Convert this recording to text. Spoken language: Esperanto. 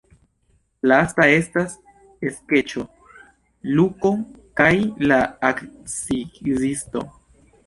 Lasta estas skeĉo Luko kaj la akcizisto.